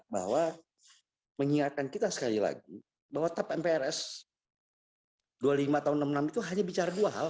bahwa mengingatkan kita sekali lagi bahwa tap mprs dua puluh lima tahun seribu sembilan ratus enam puluh enam itu hanya bicara dua hal